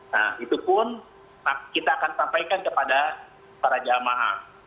nah itu pun kita akan sampaikan kepada para jamaah